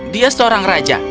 dia seorang raja